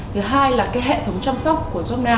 thứ hai là cái hệ thống chăm sóc của jobnow